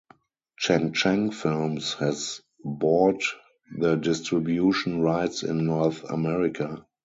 Cheng Cheng Films has bought the distribution rights in North America.